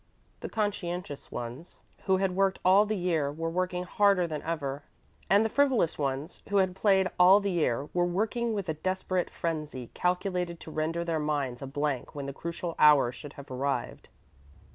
The conscientious ones who had worked all the year were working harder than ever, and the frivolous ones who had played all the year were working with a desperate frenzy calculated to render their minds a blank when the crucial hour should have arrived.